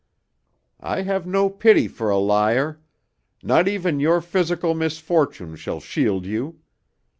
I have no pity for a liar. Not even your physical misfortune shall shield you!